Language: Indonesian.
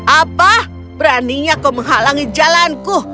apa beraninya kau menghalangi jalanku